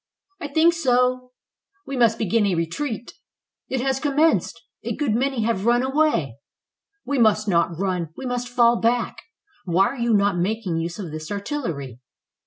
"I think so." "We must begin a retreat." "It has commenced. A good many have run away." "We must not run; we must fall back. Why are you not making use of this artillery?"